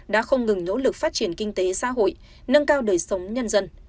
đã không ngừng nỗ lực phát triển kinh tế xã hội nâng cao đời sống nhân dân